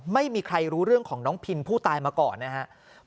ไม่มีใครรู้เรื่องของน้องพินผู้ตายมาก่อนนะครับ